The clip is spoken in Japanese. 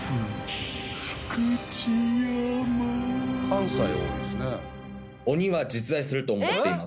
「関西多いですね」